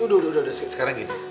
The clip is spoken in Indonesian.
udah udah sekarang gini